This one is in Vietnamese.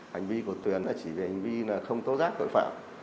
hành vi của tuyền chỉ vì hành vi không tố giác tội phạm